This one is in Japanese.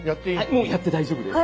もうやって大丈夫です。